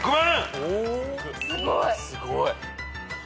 ・すごい。